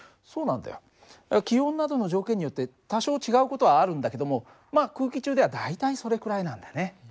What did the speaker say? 気温などの条件によって多少違う事はあるんだけどもまあ空気中では大体それくらいなんだね。